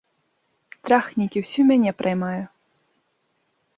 Страх нейкі ўсю мяне праймае.